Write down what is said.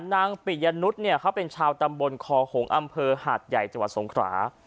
นางปิญญนุษย์เป็นชาวตำบลคอของอำเภอหาดใหญ่จวังสงครา